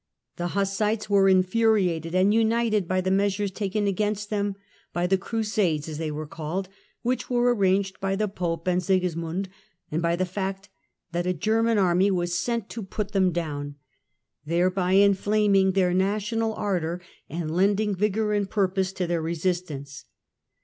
The Hussites were infuriated and united by the measures taken against them, by the Crusades as they were called which were arranged by the Pope and Sigismund, and by the fact that a German army was sent to put them down, thereby inflaming their national ardour and lending vigour and purpose to their resistance.